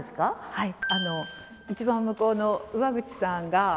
はい。